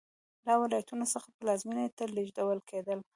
له ولایتونو څخه پلازمېنې ته لېږدول کېدل.